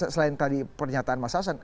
selain tadi pernyataan mas hasan